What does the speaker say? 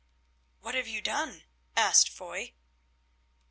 "What have you done?" asked Foy.